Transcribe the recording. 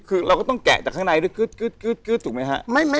คือเราก็ต้องแกะจากข้างในด้วยกึ๊ดถูกไหมฮะ